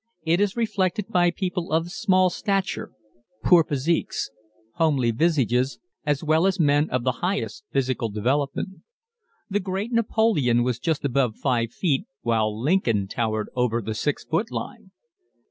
It is reflected by people of small stature ... poor physiques ... homely visages, as well as men of the highest physical development. The great Napoleon was just above five feet while Lincoln towered over the six foot line.